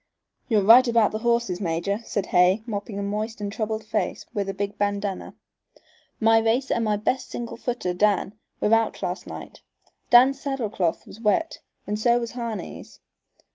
"You're right about the horses, major," said Hay, mopping a moist and troubled face with a big bandana. "My racer and my best single footer, Dan, were out last night. Dan's saddle cloth was wet and so was Harney's.